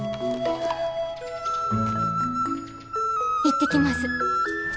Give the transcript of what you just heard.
行ってきます。